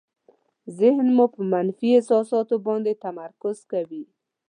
ذهن مو په منفي احساساتو باندې تمرکز کوي.